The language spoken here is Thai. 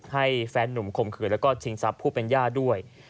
แฟนนุ่มข่มขืนแล้วก็ชิงทรัพย์ผู้เป็นย่าด้วย